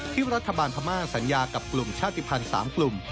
ที่รัฐบาลพม่าสัญญากับกลุ่มชาติภัณฑ์๓กลุ่ม